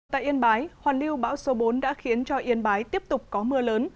tại yên bái hoàn lưu bão số bốn đã khiến cho yên bái tiếp tục có mưa lớn